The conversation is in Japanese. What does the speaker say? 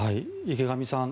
池上さん